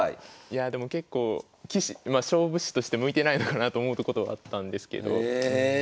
いやでも結構棋士まあ勝負師として向いてないのかなと思うことはあったんですけど。